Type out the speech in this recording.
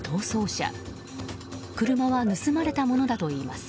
車は盗まれたものだといいます。